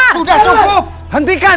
sudah cukup hentikan